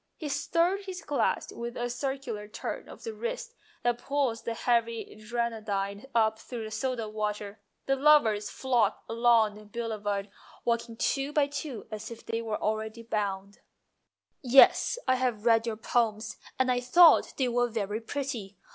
He stirred his glass with the circular turn of the wrist that pulls the heavy grenadine up through the soda water. The lovers flocked along the Boulevard, walking two by two as if they were already bound. Ml 270 MONOLOGUES ' Yes, I have read your poems, and I thought they were very pretty.